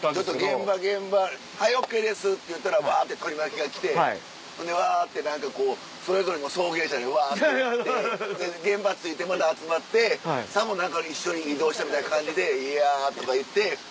現場現場「はいＯＫです」って言ったらわって取り巻きが来てほんでわってそれぞれの送迎車でわって行って現場着いてまた集まってさも一緒に移動したみたいな感じで「いや」とか言って。